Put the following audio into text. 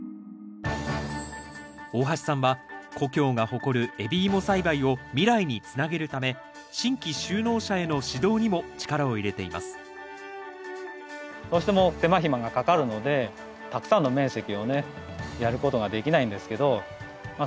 大箸さんは故郷が誇る海老芋栽培を未来につなげるため新規就農者への指導にも力を入れていますどうしても手間暇がかかるのでたくさんの面積をねやることができないんですけどま